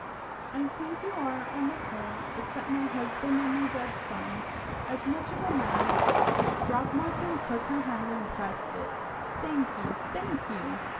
"I think you are, on the whole, except my husband and my dead son, as much of a man " Throckmorton took her hand and pressed it. "Thank you! thank you!"